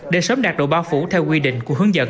để sớm đạt độ bao phủ theo quy định của hướng dẫn